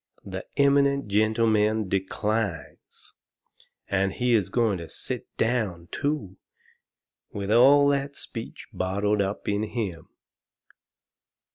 The eminent gentleman declines! And he is going to sit down, too, with all that speech bottled up in him!